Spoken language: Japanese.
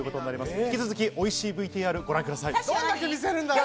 引き続きおいしいＶＴＲ、ご覧ください。